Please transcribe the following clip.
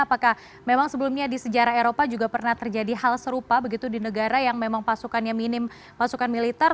apakah memang sebelumnya di sejarah eropa juga pernah terjadi hal serupa begitu di negara yang memang pasukannya minim pasukan militer